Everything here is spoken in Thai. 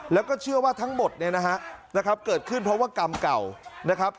แล้วก็เชื่อว่าทั้งหมดเนี่ยนะฮะเกิดขึ้นเพราะว่ากรรมเก่านะครับ